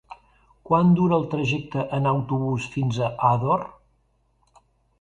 Quant dura el trajecte en autobús fins a Ador?